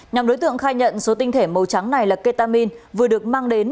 nhóm đối tượng khai nhận số tinh thể màu trắng này là ketamin vừa được mang đến